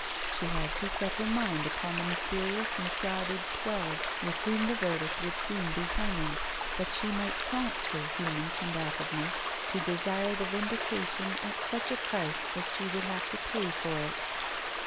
She had to set her mind upon the mysterious enshrouded Twelve, with whom the verdict would soon be hanging, that she might prompt her human combativeness to desire the vindication at such a price as she would have to pay for it.